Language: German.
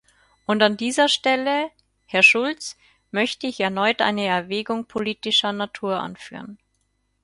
Und an dieser Stelle, Herr Schulz, möchte ich erneut eine Erwägung politischer Natur anführen.